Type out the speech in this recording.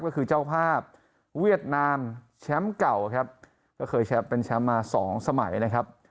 ก็คือเจ้าภาพเวียดนามแชมป์เก่าครับก็เคยแชมป์เป็นแชมป์มาสองสมัยนะครับ